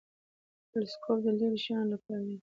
تلسکوپ د لیرې شیانو لپاره دی